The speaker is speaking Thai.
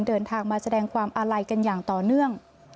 เดินทางมาแสดงความอาลัยกันอย่างต่อเนื่อง